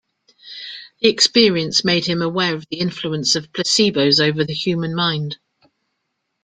The experience made him aware of the influence of placebos over the human mind.